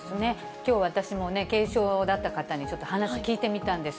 きょう、私も軽症だった方にちょっと話聞いてみたんです。